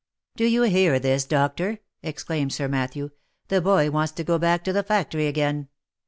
" Do you hear this, doctor?" exclaimed Sir Matthew ;" the boy wants to go back to the factory'again.